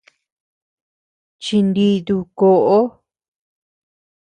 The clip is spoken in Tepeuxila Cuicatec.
Chinditu koʼo.